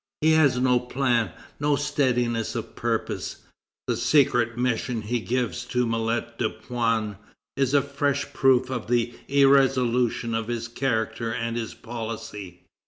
He has no plan, no steadiness of purpose. The secret mission he gives to Mallet du Pan is a fresh proof of the irresolution of his character and his policy.